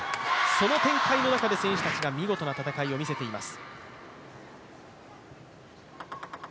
その展開の中で選手たちが見事な戦いを見せています。